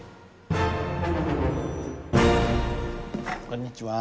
こんにちは。